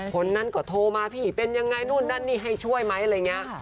คนนั้นก็โทรมาพี่เป็นยังไงนู่นนั่นนี่ให้ช่วยไหมอะไรอย่างนี้